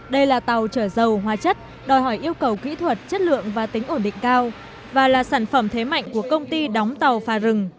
đây là tàu trở dầu hóa chất đòi hỏi yêu cầu kỹ thuật chất lượng và tính ổn định cao và là sản phẩm thế mạnh của công ty đóng tàu pha rừng